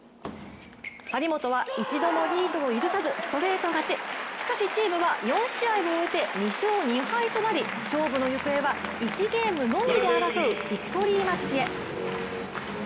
張本は一度もリードを許さずストレート勝ち、しかしチームは４試合を終えて２勝２敗となり勝負の行方は１ゲームのみで争うビクトリーマッチへ。